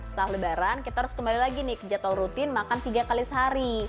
setelah lebaran kita harus kembali lagi nih ke jadwal rutin makan tiga kali sehari